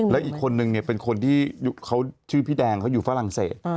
แล้วอีกคนนึงเนี่ยเป็นคนที่เขาชื่อพี่แดงเขาอยู่ฝรั่งเศส